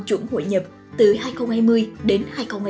chủng hội nhập từ hai nghìn hai mươi đến